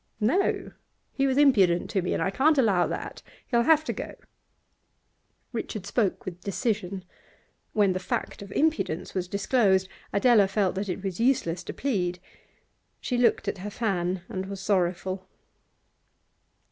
'No. He was impudent to me, and I can't allow that. He'll have to go.' Richard spoke with decision. When the fact of impudence was disclosed Adela felt that it was useless to plead. She looked at her fan and was sorrowful.